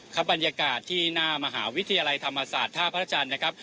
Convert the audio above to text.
ครับบรรยากาศที่หน้ามหาวิทยาลัยธรรมศาสตร์ท่าพระจันทร์นะครับ